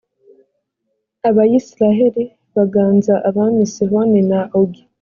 abayisraheli baganza abami sihoni na ogi.